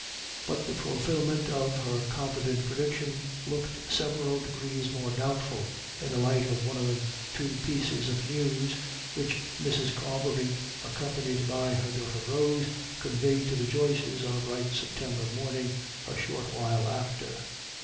But the fulfilment of her confident prediction looked several degrees more doubtful in the light of one of the two pieces of news which Mrs. Carbery, accompanied by her daughter Rose, conveyed to the Joyces' on a bright September morning a short while after.